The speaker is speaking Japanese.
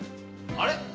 あれ？